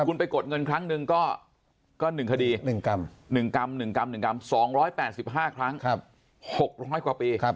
คุณไปกดเงินครั้งหนึ่งก็๑คดี๑กรัม๑กรัม๑กรัม๒๘๕ครั้ง๖๐๐กว่าปี